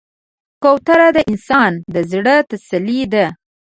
کوتره د انسان د زړه تسلي ده.